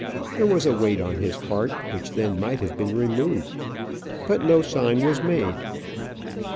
There was a weight on his heart which then might have been removed. But no sign was made.